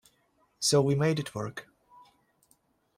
So we made it work.